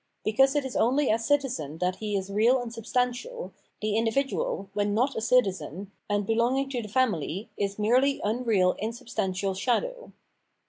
Because it is only as citizen that he is real and substantial, the individual, when not a citizen, and belonging to the family, is merely unreal insub stantial shadow.